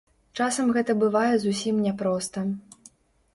Часам гэта бывае зусім няпроста.